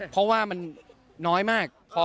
เพราะว่ามันน้อยมากพอ